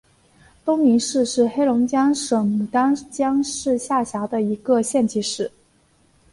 东宁市是黑龙江省牡丹江市下辖的一个县级市。